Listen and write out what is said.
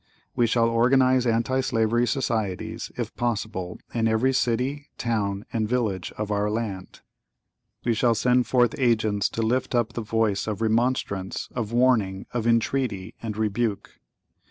(¶ 35) We shall organize Anti Slavery Societies, if possible, in every city, town and village of our land. (¶ 36) We shall send forth Agents to lift up the voice of remonstrance, of warning, of entreaty and rebuke.